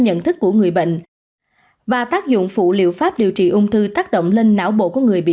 nhận thức của người bệnh và tác dụng phụ liệu pháp điều trị ung thư tác động lên não bộ của người bị